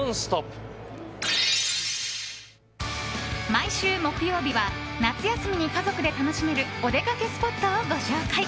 毎週木曜日は夏休みに家族で楽しめるお出かけスポットをご紹介。